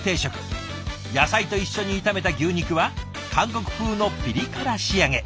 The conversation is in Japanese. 野菜と一緒に炒めた牛肉は韓国風のピリ辛仕上げ。